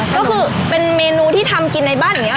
ก็คือเป็นเมนูที่ทำกินในบ้านอย่างนี้